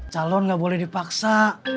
calon gak boleh dipaksa